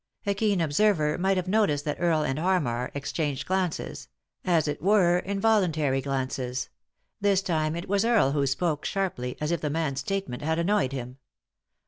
A keen observer might have noticed that Earle and Harmar exchanged glances; as it were, involun tary glances. This time it was Earle who spoke, sharply, as if the man's statement had annoyed him.